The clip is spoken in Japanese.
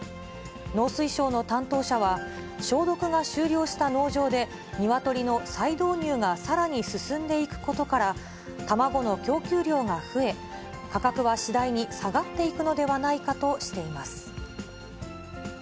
農水省の担当者は、消毒が終了した農場で、ニワトリの再導入がさらに進んでいくことから、卵の供給量が増え、価格は次第に下がっていくのではないかとしています。